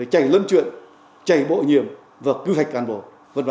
chạy lớn chuyện chạy bộ nhiệm và quy hoạch cản bộ v v